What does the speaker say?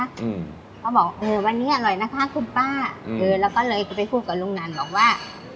เขาบอกเออวันนี้อร่อยนะคะคุณป้าเออแล้วก็เลยจะไปพูดกับลุงนันบอกว่า